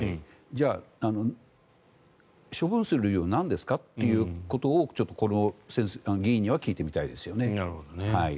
じゃあ、処分する理由はなんですかということをちょっとこの議員には聞いてみたいですよね。